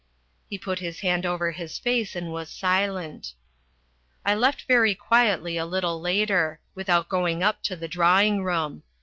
He put his hand over his face and was silent. I left very quietly a little later, without going up to the drawing room.